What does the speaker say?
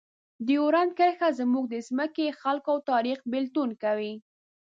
ډیورنډ کرښه زموږ د ځمکې، خلکو او تاریخ بېلتون کوي.